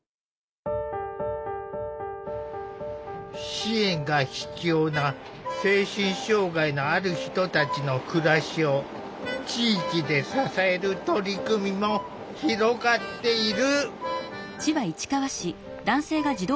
支援が必要な精神障害のある人たちの暮らしを地域で支える取り組みも広がっている。